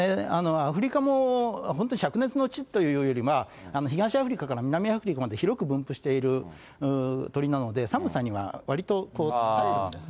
アフリカも本当、しゃく熱の地というよりは東アフリカから南アフリカまで広く分布している鳥なので、寒さにはわりと、耐えるんですね。